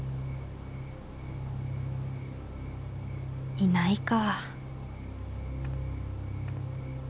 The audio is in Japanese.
いないか